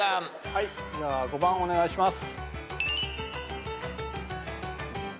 はいじゃあ５番お願いします。